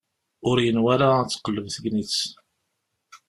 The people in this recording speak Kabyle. Ur yenwi ara ad tqelleb tegnit.